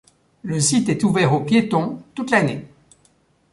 Le site est ouvert aux piétons toute l'année.